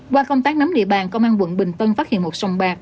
qua công tác nắm địa bàn công an quận bình tân phát hiện một sòng bạc